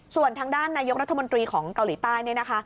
ส่วนทางด้านนายกรัฐมนตรีของเกาหลีใต้